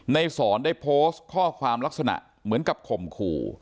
สอนได้โพสต์ข้อความลักษณะเหมือนกับข่มขู่